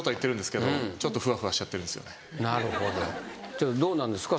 ちょっとどうなんですか？